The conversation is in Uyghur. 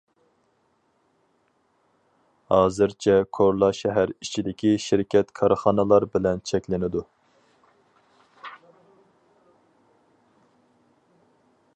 ھازىرچە كورلا شەھەر ئىچىدىكى شىركەت كارخانىلار بىلەن چەكلىنىدۇ!